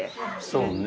そうね。